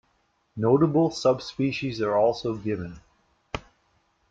Notable subspecies are also given.